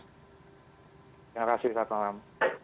terima kasih pak pengam